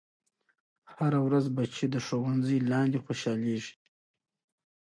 هره ورځ بچے د ښوونځي لاندې خوشحالېږي.